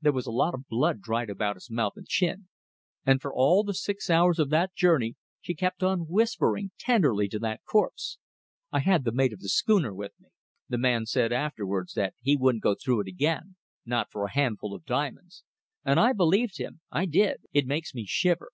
There was a lot of blood dried about his mouth and chin. And for all the six hours of that journey she kept on whispering tenderly to that corpse! ... I had the mate of the schooner with me. The man said afterwards that he wouldn't go through it again not for a handful of diamonds. And I believed him I did. It makes me shiver.